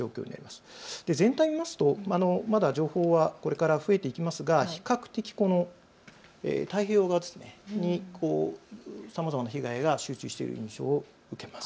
全体を見ますとまだ情報はこれから増えていきますが比較的、この太平洋側にさまざまな被害が集中している印象を受けます。